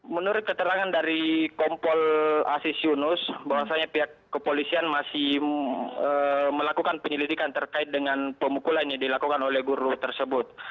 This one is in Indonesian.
menurut keterangan dari kompol asis yunus bahwasannya pihak kepolisian masih melakukan penyelidikan terkait dengan pemukulan yang dilakukan oleh guru tersebut